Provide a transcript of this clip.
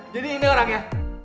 jadi ini orangnya